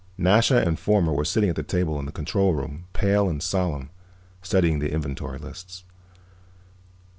Nasha and Fomar were sitting at the table in the control room, pale and solemn, studying the inventory lists.